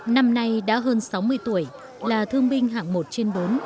năm nay đã hơn sáu mươi tuổi là thương binh hạng một trên bốn